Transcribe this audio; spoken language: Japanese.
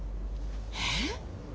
えっ！？